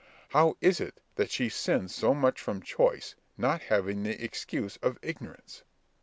How is it that she sins so much from choice, not having the excuse of ignorance?